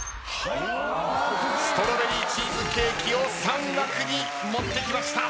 ストロベリーチーズケーキを３枠に持ってきました。